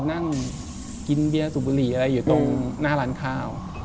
นั่งกินเบียร์สูบบุหรี่อะไรอยู่ตรงหน้าร้านข้าว